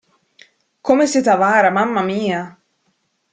Come siete avara, mamma mia!